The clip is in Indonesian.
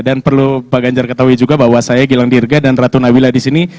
dan perlu bapak ganjar ketahui juga bahwa saya gilang dirga dan ratu nawila disini